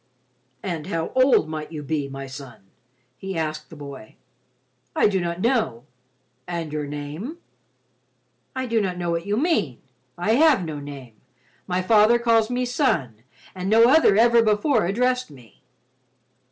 "And how old might you be, my son?" he asked the boy. "I do not know." "And your name?" "I do not know what you mean. I have no name. My father calls me son and no other ever before addressed me."